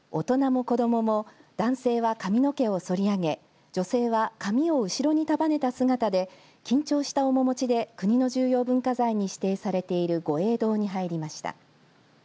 大人も子どもも男性は髪の毛をそり上げ女性は髪を後ろに束ねた姿で緊張した面もちで国の重要文化財に指定されている御影堂に入りました。